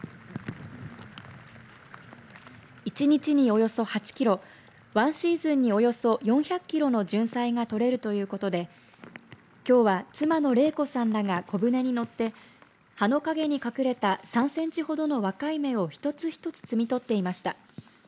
１日におよそ８キロ１シーズンにおよそ４００キロのジュンサイが取れるということできょうは妻のれい子さんらが小舟に乗って葉の影に隠れた３センチほどの若い芽を一つ一つ摘み取っていました。